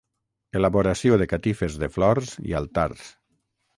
Elaboració de catifes de flors i altars.